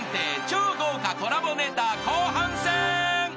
超豪華コラボネタ後半戦］